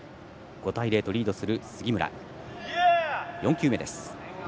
５対０とリードの杉村、４球目。